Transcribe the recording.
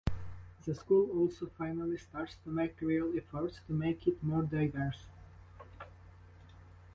The school also finally starts to make real efforts to make it more diverse.